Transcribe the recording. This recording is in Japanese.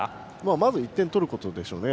まず１点取ることでしょうね。